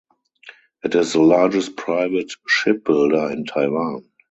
It is the largest private shipbuilder in Taiwan.